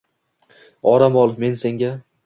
Orom ol, men senga